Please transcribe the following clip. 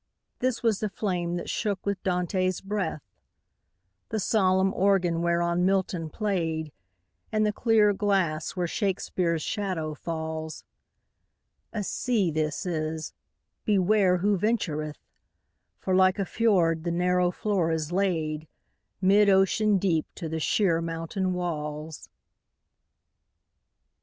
This was the flame that shook with Dante's breath ; The solenm organ whereon Milton played, And the clear glass where Shakespeare's shadow falls : A sea this is — beware who ventureth I For like a fjord the narrow floor b laid Mid ocean deep to the sheer mountain walls.